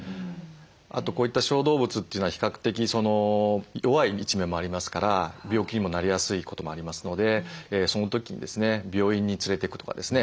あとこういった小動物というのは比較的弱い一面もありますから病気にもなりやすいこともありますのでその時にですね病院に連れていくとかですね